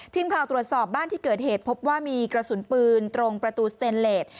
ทีมข่าวตรวจสอบบ้านที่เกิดเหตุพบว่ามีกระสุนปืนตรงประตูสเตนเลส